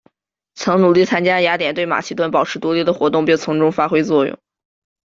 曾努力参加雅典对马其顿保持独立的活动并从中发挥作用。